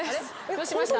どうしました？